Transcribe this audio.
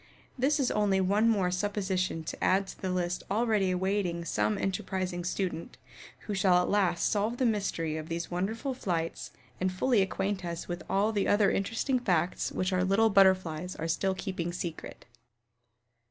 This is only one more supposition to add to the list already awaiting some enterprising student, who shall at last solve the mystery of these wonderful flights and fully acquaint us with all the other interesting facts which our little Butterflies are still keeping secret.